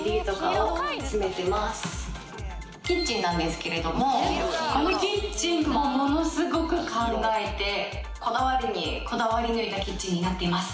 キッチンなんですけれどもこのキッチンももの凄く考えてこだわりにこだわりぬいたキッチンになっています。